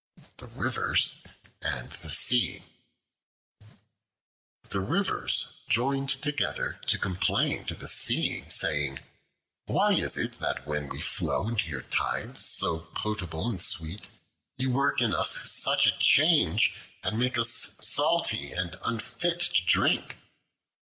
The Rivers and the Sea THE RIVERS joined together to complain to the Sea, saying, "Why is it that when we flow into your tides so potable and sweet, you work in us such a change, and make us salty and unfit to drink?"